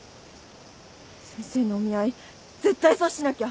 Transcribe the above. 先生のお見合い絶対阻止しなきゃ。